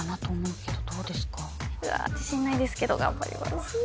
うわ自信ないんですけど頑張ります